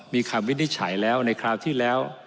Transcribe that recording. มีคำวินิจฉัยแล้วในคราวที่แล้ว